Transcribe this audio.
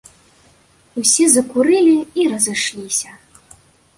Усе закурылі і разышліся.